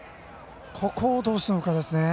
ここをどうするかですね。